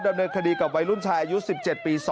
ดำเนินคดีกับวัยรุ่นชายอายุ๑๗ปี๒